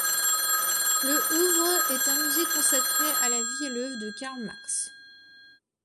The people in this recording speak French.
Le ouvre un musée consacré à la vie et l'œuvre de Karl Marx.